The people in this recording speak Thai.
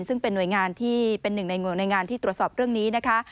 ซึ่งเป็นหน่วยงานที่เป็นหนึ่งในหน่วยงานที่ตรวจสอบเรื่องนี้นะคะ